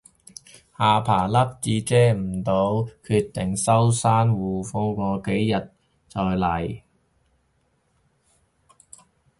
下巴粒瘡遮唔到，決定收山護膚過幾日捲土重來